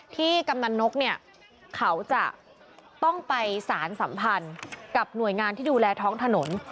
กำนันนกเนี่ยเขาจะต้องไปสารสัมพันธ์กับหน่วยงานที่ดูแลท้องถนน